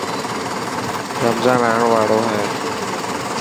رمضان آن واڙو هي.